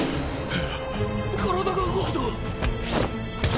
体が動くぞ。